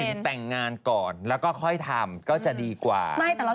แต่งงานก่อนแล้วก็ค่อยทำก็จะดีกว่า